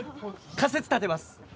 仮説立てます